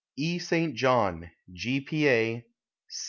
E. St. John, G. P. A.